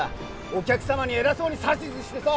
お客様に偉そうに指図してさ。